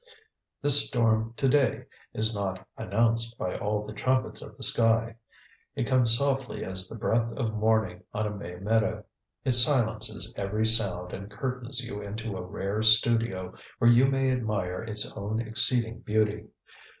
This storm to day is not "announced by all the trumpets of the sky." It comes softly as the breath of morning on a May meadow. It silences every sound and curtains you into a rare studio where you may admire its own exceeding beauty.